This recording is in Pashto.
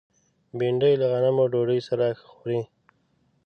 بېنډۍ له غنمو ډوډۍ سره ښه خوري